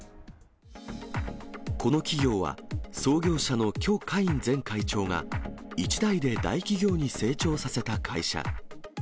この企業は、創業者の許家印前会長が、一代で大企業に成長させた会社。